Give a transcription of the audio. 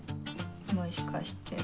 もしかして。